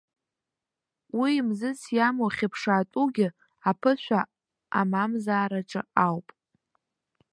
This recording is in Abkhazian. Уи мзызс иамоу ахьыԥшаатәугьы аԥышәа амамзаараҿы ауп.